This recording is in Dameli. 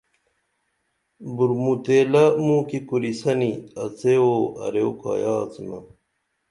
بُرُومُو تیلہ موں کی کُرِسنی آڅیو اُو اریو کایہ آڅِنا